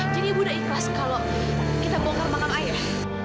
jadi ibu udah ikhlas kalau kita bongkar mangang a ya